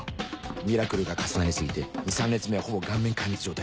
ミラクルが重なり過ぎて２３列目はほぼ顔面壊滅状態